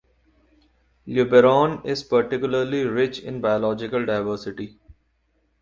Luberon is particularly rich in biological diversity.